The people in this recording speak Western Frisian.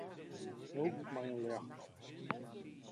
No giet my in ljocht op.